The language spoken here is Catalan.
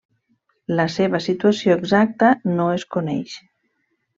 La seva situació exacta no es coneix.